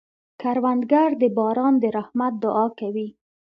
کروندګر د باران د رحمت دعا کوي